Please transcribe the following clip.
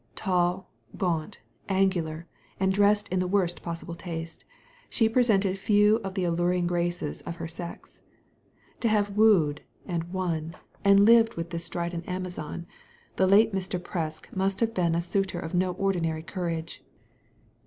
Tall, gaunt, angular, and dressed in the worst possible taste, she presented few of the alluring graces of her sex. To have woo'd, and won, and lived with this strident Digitized by Google 28 THE LADY FROM NOWHERE Amazon, the late Mr. Prcsk must have been a suitor of no ordinary courage.